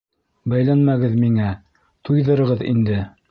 — Бәйләнмәгеҙ миңә, туйҙырҙығыҙ инде...